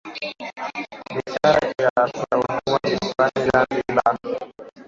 Biashara ya karafuu na watumwa visiwani Zanzibar